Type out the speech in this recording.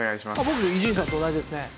僕伊集院さんと同じですね。